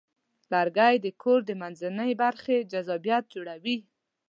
لرګی د کور د منځنۍ برخې جذابیت جوړوي.